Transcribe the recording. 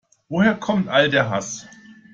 Woher kommt all der Hass?